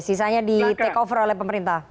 sisanya di take over oleh pemerintah